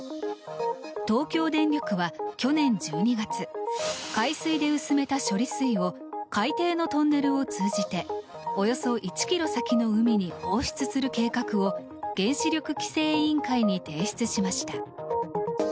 東京電力は去年１２月海水で薄めた処理水を海底のトンネルを通じておよそ１ｋｍ先の海に放出する計画を原子力規制委員会に提出しました。